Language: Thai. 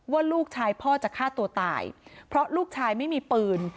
ว่าลูกชายพ่อจะฆ่าตัวตายเพราะลูกชายไม่มีปืน